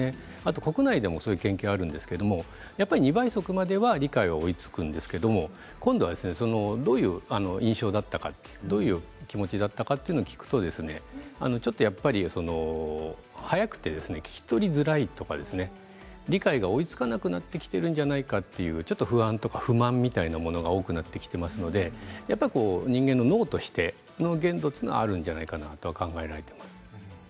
国内でもそういう研究があるんですけれどやっぱり２倍速までは理解が追いつくんですけれど今度はどういう印象だったかどういう気持ちだったかというのを聞くとちょっと、やっぱり速くて聞き取りづらいとか理解が追いつかなくなってきているのではないかという不満や不安みたいなものを多くなってきていますので人間の脳としての限度があるのではないかなと考えられています。